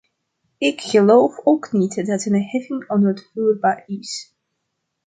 Ik geloof ook niet dat een heffing onuitvoerbaar is.